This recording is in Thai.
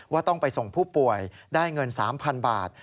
ว่าต้องไปส่งผู้ป่วยได้เงิน๓๐๐๐บาท